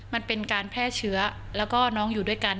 มันเป็นการแพร่เชื้อแล้วก็น้องอยู่ด้วยกัน